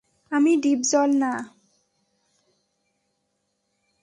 আমি ডিপজল না।